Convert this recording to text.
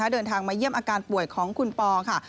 เดินทางมาเยี่ยมอาการป่วยของคุณปอค่ะ